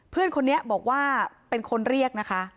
เพื่อนคนนี้บอกว่าเป็นคนเรียกนะคะ